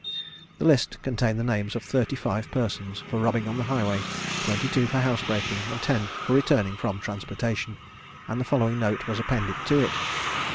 The list contained the names of thirty five persons for robbing on the highway, twenty two for housebreaking, and ten for returning from transportation, and the following note was appended to it.